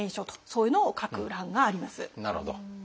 なるほど。